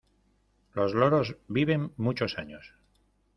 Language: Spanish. Los loros viven muchos años.